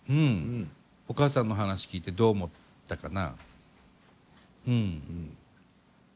お母さんの話聞いてどう思ったかな？